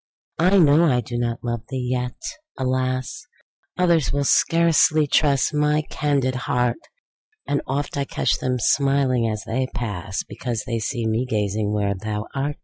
I know I do not love thee! yet, alas! Others will scarcely trust my candid heart; And oft I catch them smiling as they pass, Because they see me gazing where